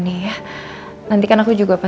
seseorang kita pola apa